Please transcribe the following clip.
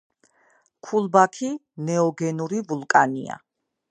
ქულბაქი ნეოგენური ვულკანია.